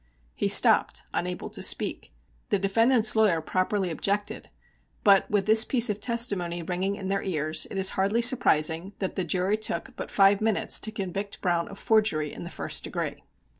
He stopped, unable to speak. The defendant's lawyer properly objected, but, with this piece of testimony ringing in their ears, it is hardly surprising that the jury took but five minutes to convict Browne of forgery in the first degree.